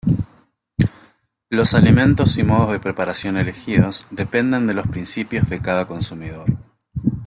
Los alimentos y modos de preparación elegidos dependen de los principios de cada consumidor.